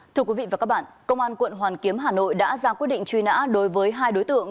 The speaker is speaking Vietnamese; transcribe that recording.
thưa quý vị và các bạn công an quận hoàn kiếm hà nội đã ra quyết định truy nã đối với hai đối tượng